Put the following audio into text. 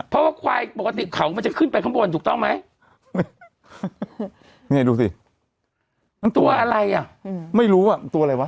เพราะว่าควายปกติเขามันจะขึ้นไปข้างบนถูกต้องไหมนี่ดูสิมันตัวอะไรอ่ะไม่รู้อ่ะตัวอะไรวะ